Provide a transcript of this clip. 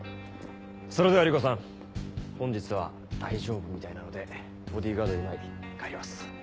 それでは理子さん本日は大丈夫みたいなのでボディーガード今井帰ります。